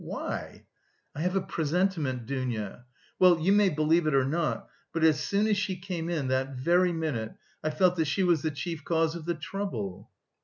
"Why?" "I have a presentiment, Dounia. Well, you may believe it or not, but as soon as she came in, that very minute, I felt that she was the chief cause of the trouble...."